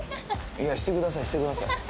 いやしてくださいしてください。